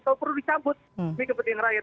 kalau perlu dicabut demi kepentingan rakyat